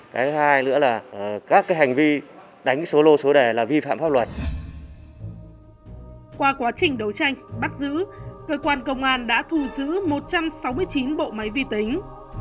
qua quá trình đấu tranh bắt giữ cơ quan công an đã thu giữ một trăm sáu mươi chín bộ máy vi tính